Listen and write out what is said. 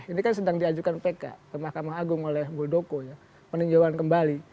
ini kan sedang diajukan pk ke mahkamah agung oleh muldoko ya peninjauan kembali